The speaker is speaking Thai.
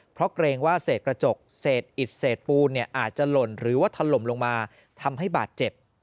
เพราะเกรงว่าเศษกระจกเศษอิดเศษปูนอาจจะหล่นหรือว่าถล่มลงมาทำให้บาดเจ็บ